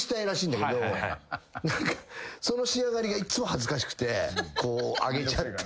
その仕上がりがいつも恥ずかしくてこう上げちゃって。